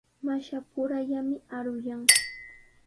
Mashapurallami aruyan.